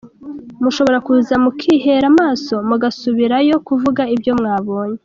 Mushobora kuza mukihera amaso mugasubirayo kuvuga ibyo mwabonye.